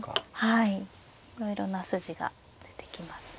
はいいろいろな筋が出てきますね。